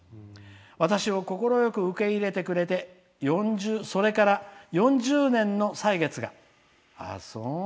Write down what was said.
私を快く受け入れてくれてそれから４０年の歳月が」。